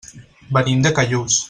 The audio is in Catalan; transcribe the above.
Venim de Callús.